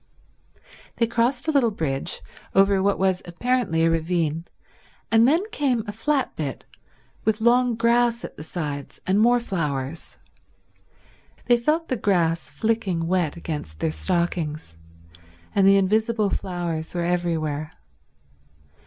They crossed a little bridge, over what was apparently a ravine, and then came a flat bit with long grass at the sides and more flowers. They felt the grass flicking wet against their stockings, and the invisible flowers were everywhere.